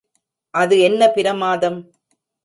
அது என்ன பிரமாதம்!